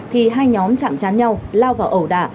thì hai nhóm chạm chán nhau lao vào ẩu đả